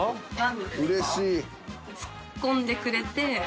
うれしい。